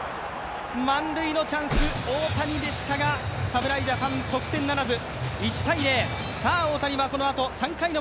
満塁のチャンス、大谷でしたが侍ジャパン得点ならず。